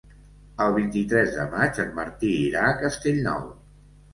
El vint-i-tres de maig en Martí irà a Castellnou.